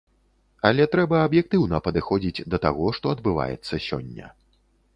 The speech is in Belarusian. Але трэба аб'ектыўна падыходзіць да таго, што адбываецца сёння.